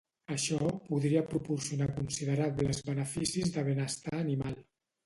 Això podria proporcionar considerables beneficis de benestar animal.